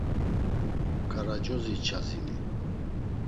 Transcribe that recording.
K̆aracozi Çazimi.